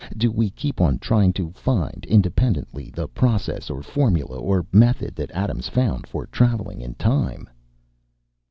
Do we keep on trying to find, independently, the process or formula or method that Adams found for traveling in time?"